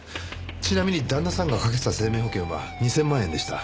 ちなみに旦那さんがかけてた生命保険は２０００万円でした。